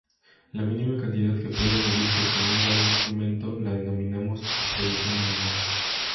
La mínima cantidad que puede medirse con un dado instrumento la denominamos "apreciación nominal.